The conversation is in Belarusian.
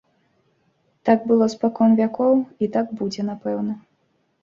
Так было спакон вякоў, і так будзе, напэўна.